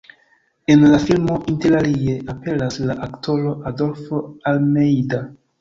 En la filmo interalie aperas la aktoro Adolfo Almeida.